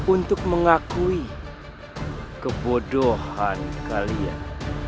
untuk mengakui kebodohan kalian